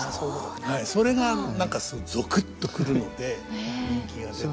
それが何かすごくゾクッと来るので人気が出て。